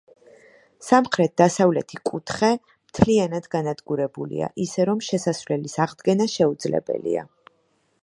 სამხრეთ-დასავლეთი კუთხე მთლიანად განადგურებულია, ისე, რომ შესასვლელის აღდგენა შეუძლებელია.